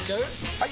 ・はい！